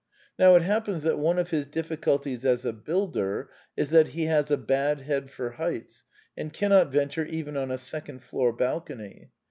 Now it happens that one of his difficulties as a builder is that he has a bad head for heights, and cannot venture even on a second floor balcony.